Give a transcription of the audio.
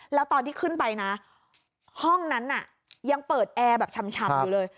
แล้วตอนที่ขึ้นไปนะห้องนั้นน่ะยังเปิดแอร์แบบชำอยู่เลย